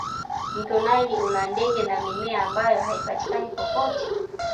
mto naili una ndege na mimea ambayo haipatikani popote